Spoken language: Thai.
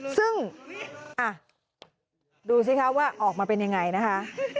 ซึ่งดูสิคะว่าออกมาเป็นยังไงนะคะ